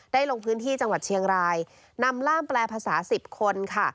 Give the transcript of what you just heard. ลงพื้นที่จังหวัดเชียงรายนำล่ามแปลภาษา๑๐คนค่ะ